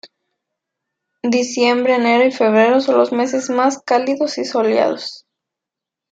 Diciembre, enero y febrero son los meses más cálidos y soleados.